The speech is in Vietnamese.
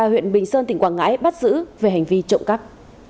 huyện bình sơn tỉnh quảng ngãi bắt giữ về hành vi trộm cắp